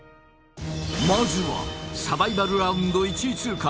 まずはサバイバルラウンド１位通過